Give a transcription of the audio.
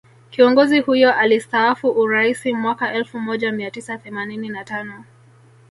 Kiongozi huyo alistaafu Uraisi mwaka elfu moja mia tisa themanini na tano